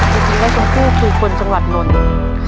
จริงแล้วชมพู่คือคนจังหวัดนนท์